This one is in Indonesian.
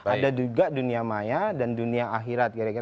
ada juga dunia maya dan dunia akhirat